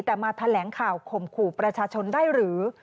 แต่มาแถลงข่าวข่มขู่ประชาชนได้หรือ